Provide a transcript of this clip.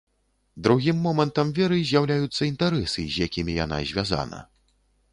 Другім момантам веры з'яўляюцца інтарэсы, з якімі яна звязана.